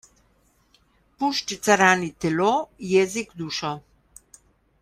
Puščica rani telo, jezik dušo.